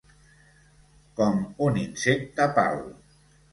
Com un insecte pal.